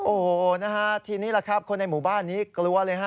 โอ้โฮนะครับทีนี้คนในหมู่บ้านนี้กลัวเลย